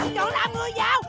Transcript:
chọn là người giàu